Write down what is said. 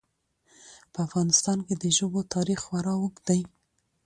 په افغانستان کې د ژبو تاریخ خورا اوږد دی.